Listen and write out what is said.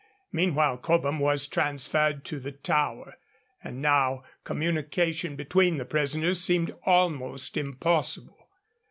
Meanwhile Cobham was transferred to the Tower, and now communication between the prisoners seemed almost impossible.